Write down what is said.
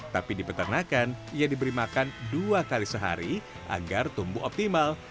tapi di peternakan ia diberi makan dua kali sehari agar tumbuh optimal